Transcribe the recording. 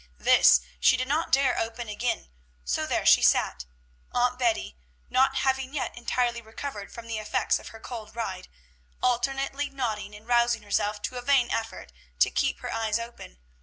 This she did not dare open again, so there she sat, Aunt Betty, not having yet entirely recovered from the effects of her cold ride, alternately nodding and rousing herself to a vain effort to keep her eyes open.